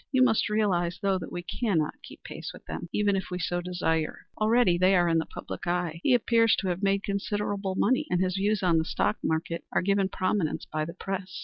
You must realize though, that we cannot keep pace with them, even if we so desire. Already they are in the public eye. He appears to have made considerable money, and his views on the stock market are given prominence by the press.